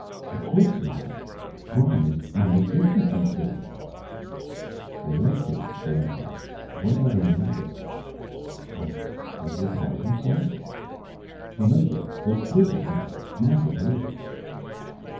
"Of course not. Crime is nonexistent these days." "In that case," Barrent asked, "what about Omega?" "I beg your pardon?" "Omega, the prison planet. You must have heard of it."